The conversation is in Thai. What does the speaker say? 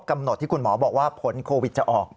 กำหนดที่คุณหมอบอกว่าผลโควิดจะออก